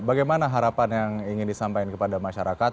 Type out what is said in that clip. bagaimana harapan yang ingin disampaikan kepada masyarakat